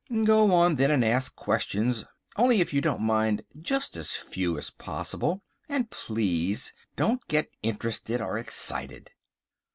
Go on then and ask questions. Only, if you don't mind, just as few as possible, and please don't get interested or excited."